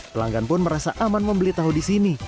pelanggan pun merasa aman membeli tahu di sini